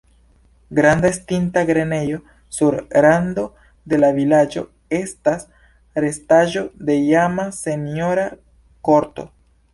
Granda estinta grenejo sur rando de la vilaĝo estas restaĵo de iama senjora korto.